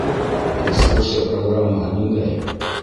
Экскурсия программаһы ниндәй?